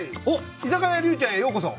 居酒屋りゅうちゃんへようこそ。